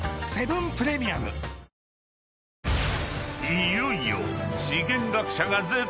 ［いよいよ］